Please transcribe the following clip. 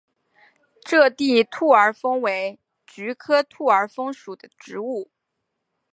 边地兔儿风为菊科兔儿风属的植物。